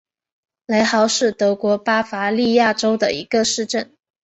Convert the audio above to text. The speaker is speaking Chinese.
雷豪是德国巴伐利亚州的一个市镇。